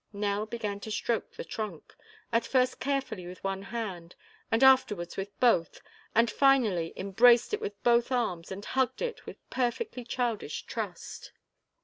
Nell began to stroke the trunk; at first carefully with one hand, afterwards with both, and finally embraced it with both arms and hugged it with perfectly childish trust.